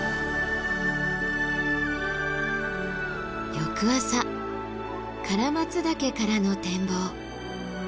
翌朝唐松岳からの展望。